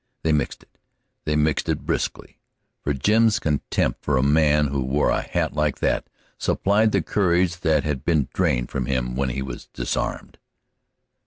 They mixed it, and they mixed it briskly, for Jim's contempt for a man who wore a hat like that supplied the courage that had been drained from him when he was disarmed.